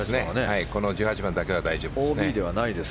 １８番だけは大丈夫です。